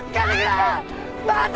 待って